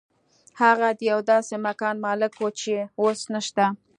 هغه د یو داسې مکان مالک و چې اوس نشته